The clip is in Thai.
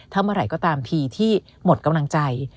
ถ้าเมื่อไหร่ก็ตามทีที่หมดกำลังใจ